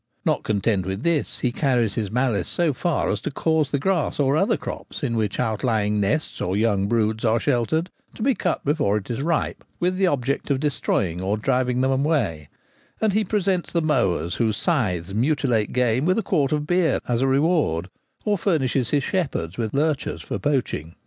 Not content with this he carries his malice so far as to cause the grass or other crops in which outlying nests or young broods are sheltered to be cut before it is ripe, with the object of destroying or driving them away ; and he presents the mowers whose scythes mutilate game with a quart of beer as reward, or furnishes his shepherds with lurchers for poaching.